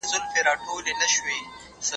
شاه محمود د خپل پوځ انضباط ته ډېر پام کاوه.